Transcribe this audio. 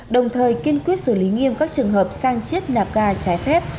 đồng thời kiên quyết xử lý nghiêm các trường hợp sang chiếc nạp ga cháy phép